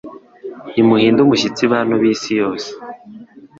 nimuhinde umushyitsi bantu b’isi yose